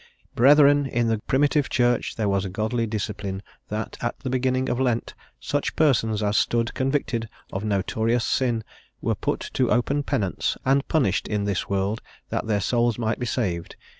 "Brethren, in the primitive Church there was a godly discipline that, at the beginning of Lent, such persons as stood convicted of notorious sin were put to open penance and punished in this world, that their souls might be saved....